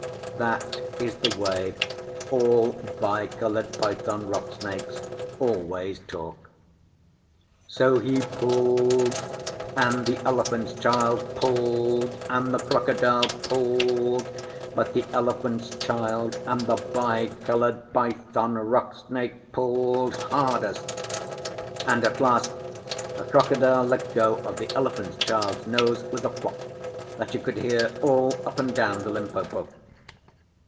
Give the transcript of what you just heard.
That is the way all Bi Coloured Python Rock Snakes always talk. So he pulled, and the Elephant's Child pulled, and the Crocodile pulled; but the Elephant's Child and the Bi Coloured Python Rock Snake pulled hardest; and at last the Crocodile let go of the Elephant's Child's nose with a plop that you could hear all up and down the Limpopo.